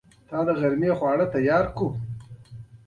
د تا دغرمې خوراک تیار ده